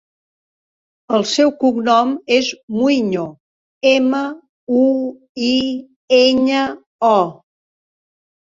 El seu cognom és Muiño: ema, u, i, enya, o.